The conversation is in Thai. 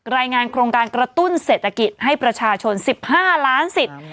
รายงานโครงการกระตุ้นเศรษฐกิจให้ประชาชน๑๕ล้านสิทธิ์